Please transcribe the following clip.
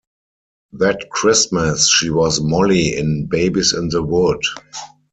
That Christmas, she was Molly in "Babes in the Wood".